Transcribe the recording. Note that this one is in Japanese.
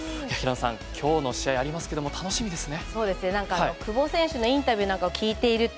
今日の試合ありますけども楽しみですね。